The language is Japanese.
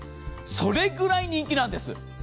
それくらい人気なんです。